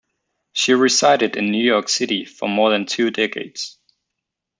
She resided in New York City for more than two decades.